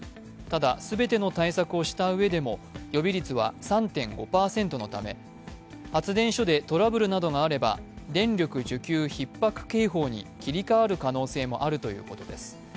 ただ、全ての対策をしたうえでも予備率は３．５％のため発電所でトラブルなどがあれば電力需給ひっ迫警報に切り替わる可能性もあるということです。